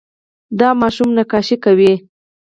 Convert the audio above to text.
دا ماشوم نقاشي کوي.